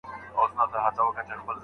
یو دولت له څو مرحلو څخه تیریږي؟